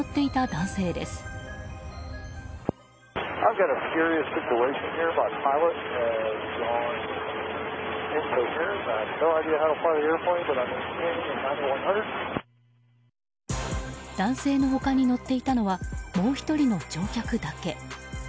男性の他に乗っていたのはもう１人の乗客だけ。